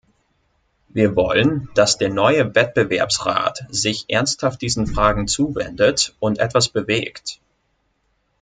Wir wollen, dass der neue Wettbewerbsrat sich ernsthaft diesen Fragen zuwendet und etwas bewegt.